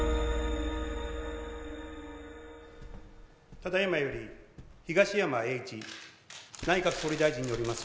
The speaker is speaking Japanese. ただいまより東山栄一内閣総理大臣によります